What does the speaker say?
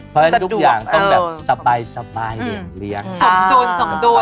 เพราะแบบทุกอย่างต้องแบบสบายเหลียด